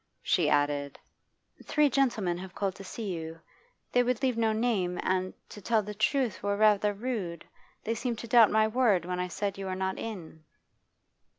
She added 'Three gentlemen have called to see you. They would leave no name, and, to tell the truth, were rather rude. They seemed to doubt my word when I said you were not in.